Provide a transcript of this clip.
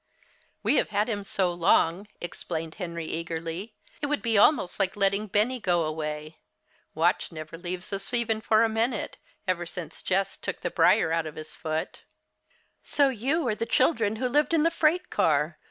"We have had him so long," explained Henry, eagerly, "it would be almost like letting Benny go away. Watch never leaves us even for a minute, ever since Jess took the briar out of his foot." "So you are the children who lived in the freight car!"